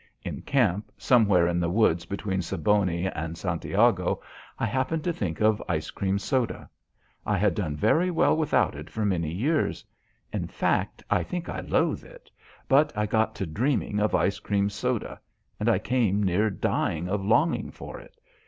In camp, somewhere in the woods between Siboney and Santiago, I happened to think of ice cream soda. I had done very well without it for many years; in fact I think I loathe it; but I got to dreaming of ice cream soda, and I came near dying of longing for it.